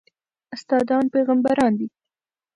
استادان پېغمبران دي